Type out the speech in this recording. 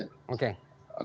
kita melakukan aktif cashback